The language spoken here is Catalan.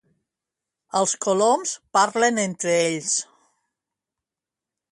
Els coloms parlen entre ells